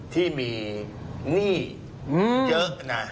ที่มีหนี้เยอะนะ